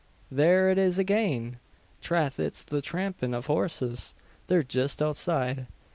Thare it is agane! Trath, it's the trampin' av horses! They're jist outside."